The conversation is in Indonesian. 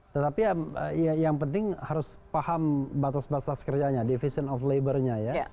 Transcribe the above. tetapi yang penting harus paham batas batas kerjanya division of labornya ya